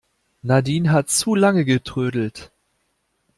Nadine hat zu lange getrödelt.